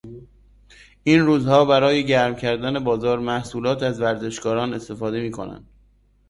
این روزها برای گرم کردن بازار محصولات از ورزشکاران استفاده میکنند.